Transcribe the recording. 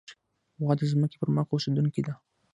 غوا د ځمکې پر مخ اوسېدونکې ده.